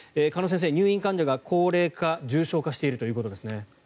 鹿野先生、入院患者が高齢化、重症化しているということですね。